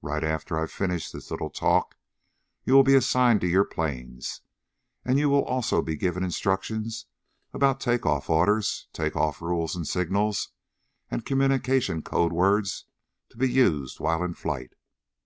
Right after I finish this little talk you will be assigned to your planes, and you will also be given instructions about take off orders, take off rules and signals, and communication code words to be used while in flight.